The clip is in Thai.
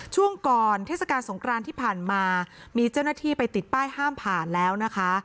ช่วงก่อนเทศกาลสงครานที่ผ่านมามีเจ้าหน้าที่ไปติดป้ายห้ามผ่านแล้วนะคะ